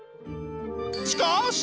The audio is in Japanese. しかし！